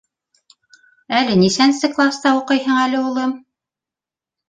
— Әле нисәнсе класта уҡыйһың әле, улым?